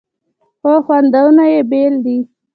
خو خوندونه یې بیل دي.